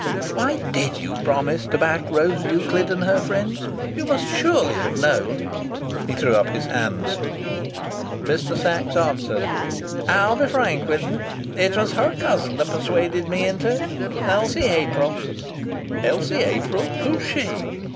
Why did you promise to back Rose Euclid and her friends? You must surely have known " He threw up his hands. Mr. Sachs answered: "I'll be frank with you. It was her cousin that persuaded me into it Elsie April." "Elsie April? Who's she?"